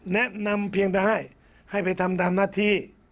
แนะนำเพียงแต่ให้ให้ไปทำตามหน้าที่